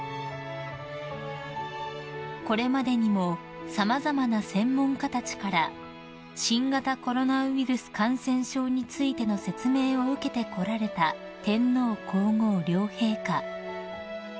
［これまでにも様々な専門家たちから新型コロナウイルス感染症についての説明を受けてこられた天皇皇后両陛下］